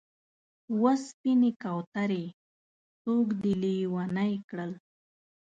و سپینې کوترې! څوک دې لېونی کړل؟